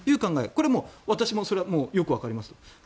これはもう私はそれ、よくわかります。